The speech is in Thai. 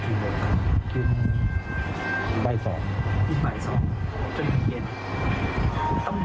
จำได้โอเคเพราะมันเป็นเผยว่าเจ็บมั้ย